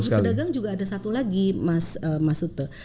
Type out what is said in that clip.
untuk pedagang juga ada satu lagi mas sute